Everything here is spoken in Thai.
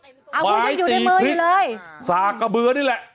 อาวุธยังอยู่ในมืออยู่เลยสากกระเบือนนี่แหละ